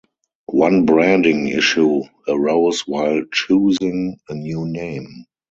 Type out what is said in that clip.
One branding issue arose while choosing a new name.